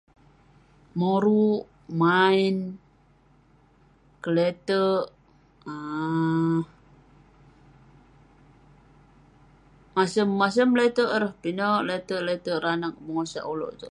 Moruk main keletek um masem-masem leterk ireh, pinek leterk-leterk ireh anag bengosak ulouk itouk.